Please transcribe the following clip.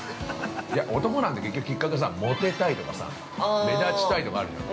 男なんて、結局、きっかけさもてたいとかさ目立ちたいとかあるじゃん？